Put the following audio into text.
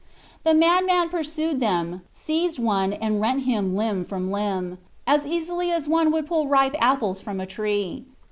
The madman pursued them, seized one and rent him limb from limb, as easily as one would pull ripe apples from a tree.